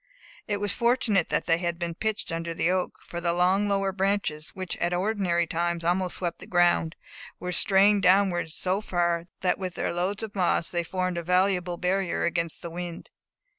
It was fortunate that it had been pitched under the oak, for the long lower branches, which at ordinary times almost swept the ground, were strained downwards so far, that with their loads of moss, they formed a valuable barrier against the wind.